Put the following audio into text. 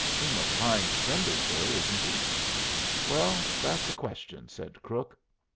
"Uma Pine's friendly, sir, isn't he?" "Well, that's a question," said Crook.